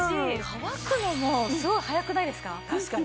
乾くのもすごい早くないですか？